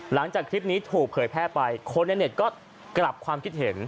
หลังจากคลิปนี้ถูกเผยแพร่ไปคนในเน็ตก็กลับความคิดเห็น